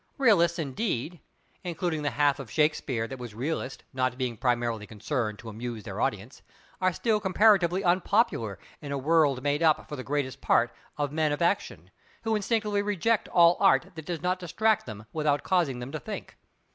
Realists indeed—including the half of Shakespeare that was realist not being primarily concerned to amuse their audience, are still comparatively unpopular in a world made up for the greater part of men of action, who instinctively reject all art that does not distract them without causing them to think.